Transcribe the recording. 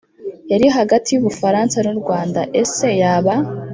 yari hagati y'u Bufaransa n'u Rwanda? Ese yaba